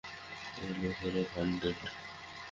এই লোকেরা ফান্ডেড।